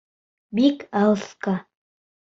Бик алыҫҡа.